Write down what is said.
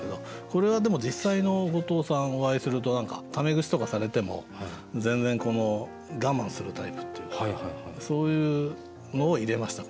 これはでも実際の後藤さんお会いするとタメ口とかされても全然我慢するタイプっていうかそういうのを入れました